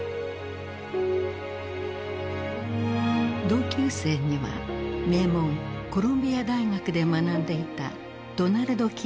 同級生には名門コロンビア大学で学んでいたドナルド・キーンもいた。